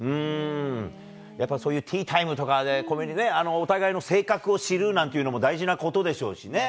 やっぱりそういうティータイムとかで、お互いの性格を知るなんていうのも大事なことでしょうしね。